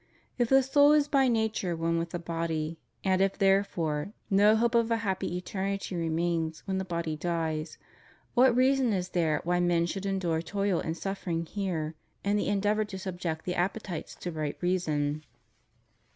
If the soul is by nature one with the body, and if therefore no hope of a happy eternity remains when the body dies, what reason is there why man should endure toil and suffering here in the endeavor to subject the appe tites to right reason?